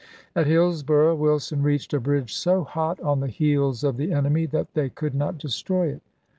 At Hillsboro' Wilson reached a bridge so hot on the heels of the enemy that they could not destroy it.